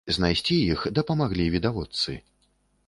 Знайсці іх дапамаглі відавочцы.